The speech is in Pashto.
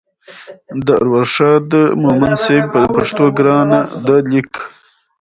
د ارواښاد مومند صیب د پښتو ګرانه ده لیک